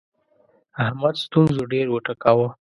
احمد ستونزو ډېر وټکاوو.